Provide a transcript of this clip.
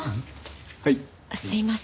あのすいません。